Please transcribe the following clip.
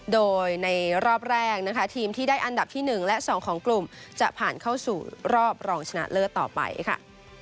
โดยในรอบแรกนะคะทีมที่ได้อันดับที่๑และ๒ของกลุ่มจะผ่านเข้าสู่รอบรองชนะเลิศต่อไปค่ะ